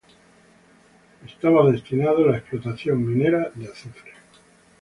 Estaba destinado a la explotación minera de azufre.